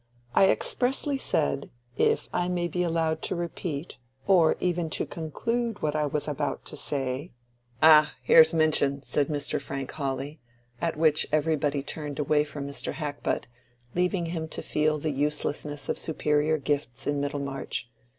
I expressly said, if I may be allowed to repeat, or even to conclude what I was about to say—" "Ah, here's Minchin!" said Mr. Frank Hawley; at which everybody turned away from Mr. Hackbutt, leaving him to feel the uselessness of superior gifts in Middlemarch.